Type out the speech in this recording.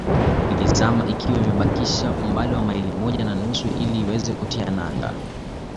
Ilizama ikiwa imebakisha umbali wa maili moja na nusu ili iweze kutia nanga